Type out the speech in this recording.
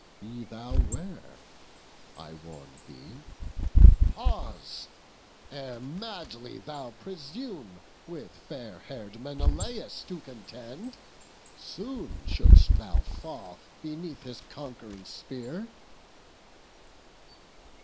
Be thou ware! I warn thee, pause, ere madly thou presume With fair hair'd Menelaus to contend! Soon shouldst thou fall beneath his conqu'ring spear."